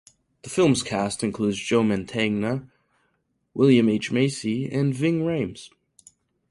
The film's cast includes Joe Mantegna, William H. Macy, and Ving Rhames.